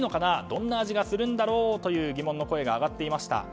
どんな味がするんだろうという疑問の声が上がっていました。